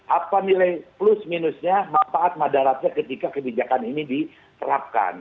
apa nilai plus minusnya manfaat madaratnya ketika kebijakan ini diterapkan